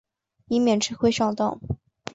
以免吃亏上当